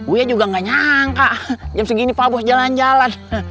buya juga gak nyangka jam segini pak bos jalan jalan